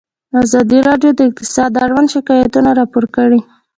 ازادي راډیو د اقتصاد اړوند شکایتونه راپور کړي.